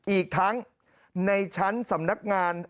อีกทั้งในชั้นสำนักงาน